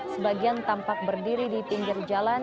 sebagian tampak berdiri di pinggir jalan